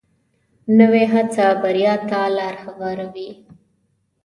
نوې هڅه بریا ته لار هواروي